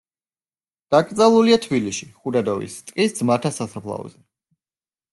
დაკრძალულია თბილისში, ხუდადოვის ტყის ძმათა სასაფლაოზე.